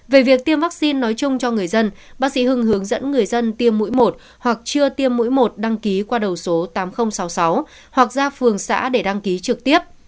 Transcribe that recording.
về việc tiêm vaccine nói chung cho người dân bác sĩ hưng hướng dẫn người dân tiêm mũi một hoặc chưa tiêm mũi một đăng ký qua đầu số tám nghìn sáu mươi sáu hoặc ra phường xã để đăng ký trực tiếp